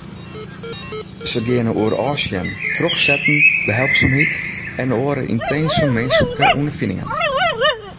Se geane oer ôfsjen, trochsetten, behelpsumheid en oare yntinse minsklike ûnderfiningen.